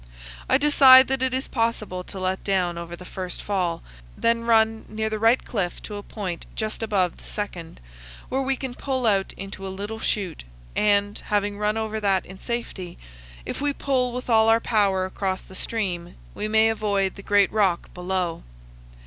I decide that it is possible to let down over the first fall, then run near the right cliff to a point just above the second, where we can pull out into a little chute, and, having run over that in safety, if we pull with all our power across the stream, we may avoid the great rock below.